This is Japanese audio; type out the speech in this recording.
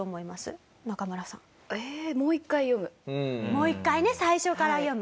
もう一回ね最初から読む。